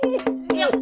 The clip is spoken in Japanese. よっ！